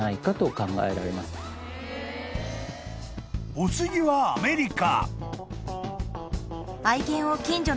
［お次はアメリカ］